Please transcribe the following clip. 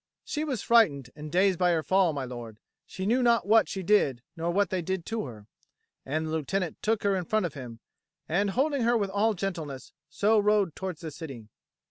"She was frightened and dazed by her fall, my lord; she knew not what she did nor what they did to her. And the lieutenant took her in front of him, and, holding her with all gentleness, so rode towards the city."